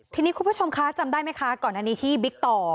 ทีนี้คุณผู้ชมคะจำได้ไหมคะก่อนอันนี้ที่บิ๊กต่อ